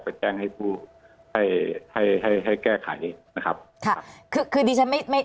ไปแจ้งให้ผู้ให้ให้ให้แก้ไขนี้นะครับค่ะคือคือดิฉันไม่ไม่